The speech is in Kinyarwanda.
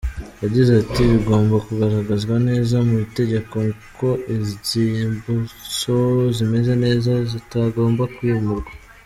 Yagize ati’’ Bigomba kugaragazwa neza mu itegeko ko inzibutso zimeze neza zitagomba kwimurwa.